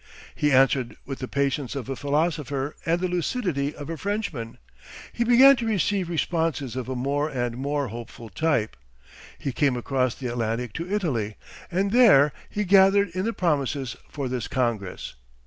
He answered with the patience of a philosopher and the lucidity of a Frenchman. He began to receive responses of a more and more hopeful type. He came across the Atlantic to Italy, and there he gathered in the promises for this congress.